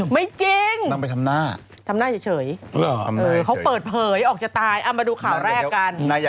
ไม่จริงต้องไปทำหน้าทำหน้าเฉยเขาเปิดเผยออกจะตายเอามาดูข่าวแรกกัน